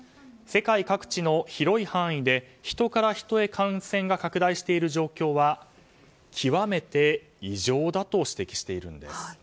世界各地の広い範囲で人から人へ感染が拡大している状況は極めて異常だと指摘しているんです。